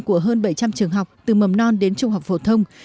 của hơn bảy trăm linh trường học từ mầm non đến trung học phổ thông